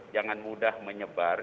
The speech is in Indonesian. jangan mudah menyebar